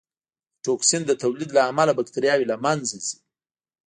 د ټوکسین د تولید له امله بکټریاوې له منځه ځي.